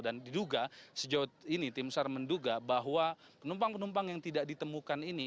dan diduga sejauh ini tim sar menduga bahwa penumpang penumpang yang tidak ditemukan ini